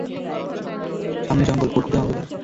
সামনে জঙ্গল, ঘুটঘুটে অন্ধকার!